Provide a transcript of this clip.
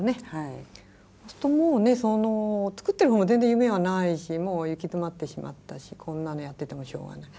そうするともうね作ってるほうも全然夢はないし行き詰まってしまったしこんなのやっててもしょうがない。